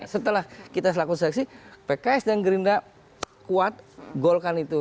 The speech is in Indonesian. setelah kita selaku seksi pks dan gerindra kuat golkar itu